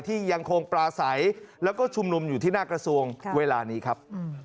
ยังคงปลาใสแล้วก็ชุมนุมอยู่ที่หน้ากระทรวงเวลานี้ครับ